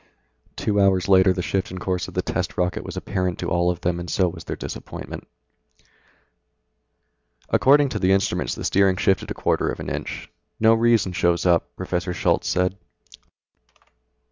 Two hours later the shift in course of the test rocket was apparent to all of them and so was their disappointment. "According to the instruments the steering shifted a quarter of an inch. No reason shows up," Professor Schultz said.